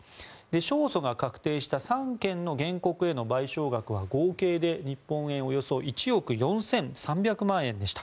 勝訴が確定した３件の原告への賠償額は合計で日本円およそ１億４３００万円でした。